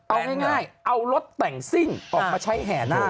เอาง่ายเอารถแต่งซิ่งออกมาใช้แห่หน้า